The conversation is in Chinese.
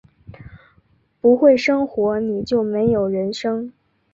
不会生活，你就没有人生